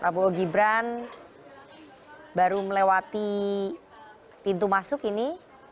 prabowo gibran baru melewati pintu masuk ini